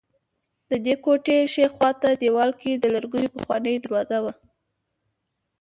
ددې کوټې ښي خوا ته دېوال کې د لرګیو پخوانۍ دروازه وه.